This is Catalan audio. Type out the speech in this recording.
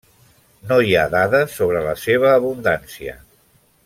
No hi ha dades sobre la seva abundància.